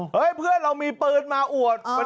พี่เลยมีปืนมาอวด